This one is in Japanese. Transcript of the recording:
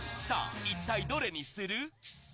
さあ、一体どれにする？